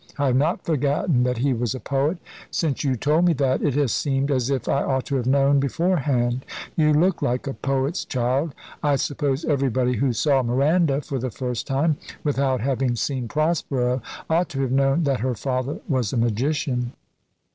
I have not forgotten that he was a poet. Since you told me that, it has seemed as if I ought to have known beforehand. You look like a poet's child. I suppose everybody who saw Miranda for the first time, without having seen Prospero, ought to have known that her father was a magician."